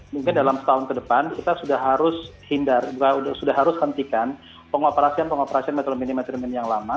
mungkin dalam setahun ke depan kita sudah harus hentikan pengoperasian pengoperasian metro mini metro mini yang lama